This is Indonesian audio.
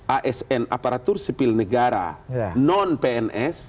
asn aparatur sipil negara non pns